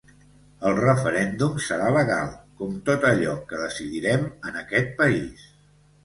El referèndum serà legal, com tot allò que decidirem en aquest país.